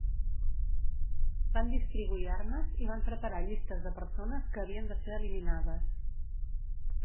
Van distribuir armes i van preparar llistes de persones que havien de ser eliminades.